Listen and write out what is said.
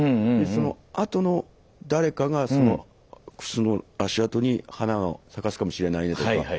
そのあとの誰かがその靴の足あとに花を咲かすかもしれないねとか。